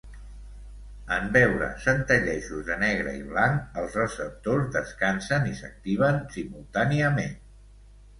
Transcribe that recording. En veure centellejos de negre i blanc, els receptors descansen i s'activen simultàniament.